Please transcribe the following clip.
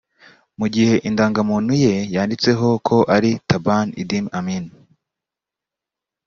mu gihe indangamuntu ye yanditseho ko ari Taban Idi Amin